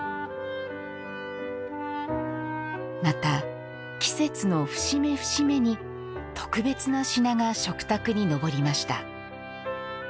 また、季節の節目節目に特別な品が食卓に上りました。